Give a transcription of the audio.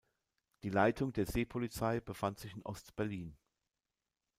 Die Leitung der Seepolizei befand sich in Ost-Berlin.